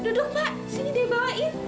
duduk mbak sini deh bawain